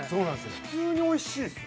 普通においしいですよね